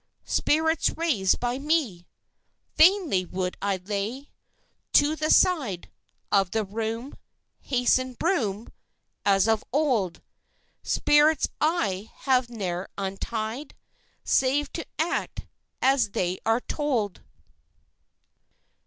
Spirits raised by me Vainly would I lay! "'To the side Of the room Hasten, broom, As of old! Spirits I have ne'er untied Save to act as they are told.'"